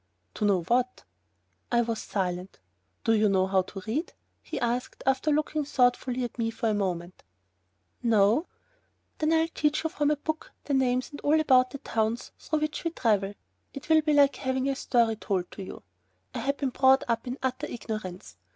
"To know what?" I was silent. "Do you know how to read?" he asked, after looking thoughtfully at me for a moment. "No." "Then I'll teach you from a book the names and all about the towns through which we travel. It will be like having a story told to you." I had been brought up in utter ignorance.